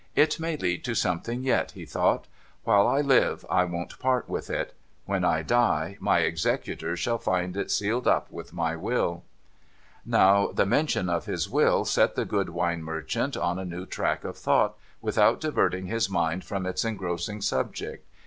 ' It may lead to something yet,' he thought. ' While I live, I won't part with it. When I die, my executors shall find it sealed up with my will.' Now, the mention of his will set the good wine merchant on a new track of thought, without diverting his mind from its engrossing subject.